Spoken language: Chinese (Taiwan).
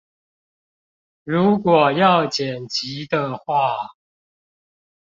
如果要剪輯的話